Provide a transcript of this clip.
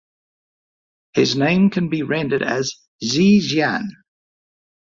His name can be rendered as Xi Jian.